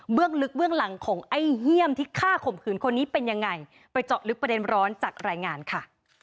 ลึกเบื้องหลังของไอ้เฮี่ยมที่ฆ่าข่มขืนคนนี้เป็นยังไงไปเจาะลึกประเด็นร้อนจากรายงานค่ะ